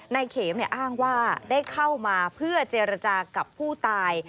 นายเขมอ้างว่าได้เข้ามาเพื่อเจรจากับผู้ตาย